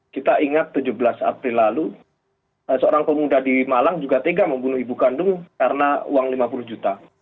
kita ingat tujuh belas april lalu seorang pemuda di malang juga tega membunuh ibu kandung karena uang lima puluh juta